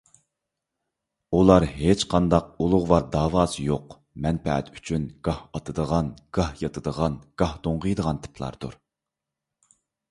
ئۇلار ھېچقانداق ئۇلۇغۋار دەۋاسى يوق، مەنپەئەت ئۈچۈن گاھ ئاتىدىغان، گاھ ياتىدىغان، گاھ دوڭغىيىدىغان تىپلاردۇر.